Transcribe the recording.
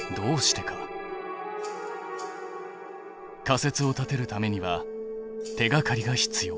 仮説を立てるためには手がかりが必要。